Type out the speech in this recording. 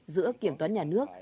giữa kiểm toán nhà nước